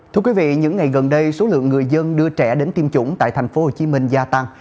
thưa quý vị những ngày gần đây số lượng người dân đưa trẻ đến tiêm chủng tại tp hcm gia tăng